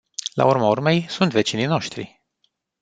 La urma urmei, sunt vecinii noștri.